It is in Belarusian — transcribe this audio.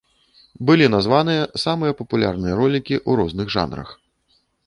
Былі названыя самыя папулярныя ролікі ў розных жанрах.